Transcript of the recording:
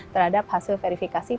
terhadap hasil verifikasi